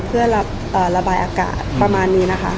เพื่อระบายอากาศประมาณนี้นะคะ